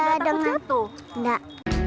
gak takut jatuh nggak